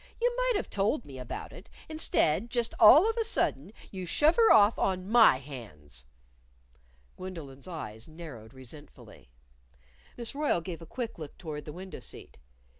You might've told me about it; instead, just all of a sudden, you shove her off on my hands." Gwendolyn's eyes narrowed resentfully. Miss Royle gave a quick look toward the window seat.